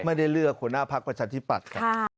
ไม่ได้เลือกหัวหน้าพักประชาธิปัตย์ครับ